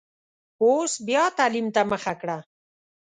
اوس بیا تعلیم ته مخه کړه.